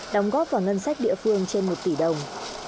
đóng góp vào ngân sách địa phương trên một tỷ đồng